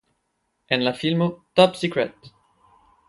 En la filmo "Top Secret!